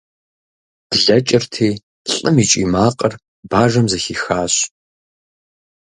Блэкӏырти, лӏым и кӏий макъыр бажэм зэхихащ.